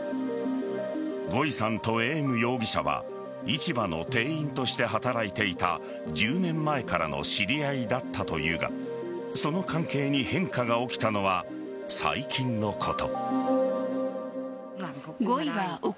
ゴイさんとエーム容疑者は市場の店員として働いていた１０年前からの知り合いだったというがその関係に変化が起きたのは最近のこと。